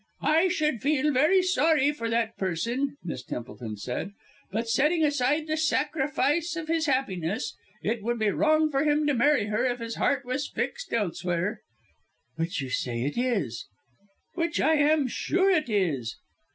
"I should feel very sorry for that person," Miss Templeton said, "but setting aside the sacrifice of his happiness it would be wrong for him to marry her if his heart was fixed elsewhere." "Which you say it is." "Which I am sure it is!"